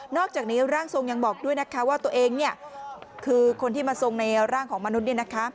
อกจากนี้ร่างทรงยังบอกด้วยนะคะว่าตัวเองเนี่ยคือคนที่มาทรงในร่างของมนุษย์